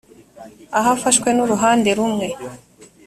ahafashwe n uruhande rumwe